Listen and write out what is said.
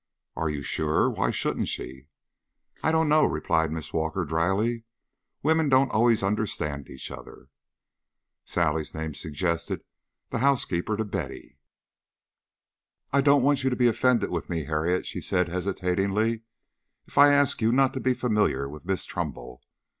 "Are you sure? Why shouldn't she?" "I don't know," replied Miss Walker, dryly. "Women don't always understand each other." Sally's name suggested the housekeeper to Betty. "I don't want you to be offended with me, Harriet," she said hesitatingly, "if I ask you not to be familiar with Miss Trumbull.